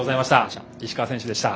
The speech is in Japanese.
石川選手でした。